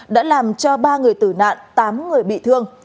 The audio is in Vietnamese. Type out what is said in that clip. đã làm cho ba người tử nạn tám người bị thương